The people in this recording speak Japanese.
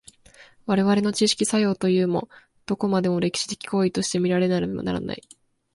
我々の知識作用というも、どこまでも歴史的行為として見られねばならない。